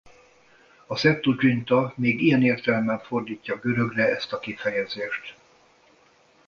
A Septuaginta még ilyen értelemben fordítja görögre ezt a kifejezést.